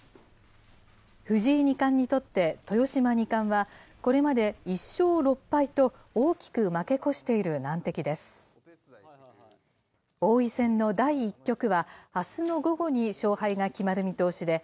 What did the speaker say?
藤井二冠にとって、豊島二冠は、これまで１勝６敗と大きく負け越している難敵です。